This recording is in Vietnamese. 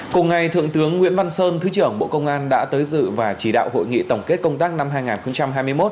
cùng ngày thượng tướng nguyễn văn sơn thứ trưởng bộ công an đã tới dự và chỉ đạo hội nghị tổng kết công tác năm hai nghìn hai mươi một